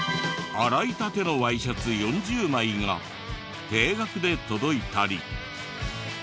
洗い立てのワイシャツ４０枚が定額で届いたり。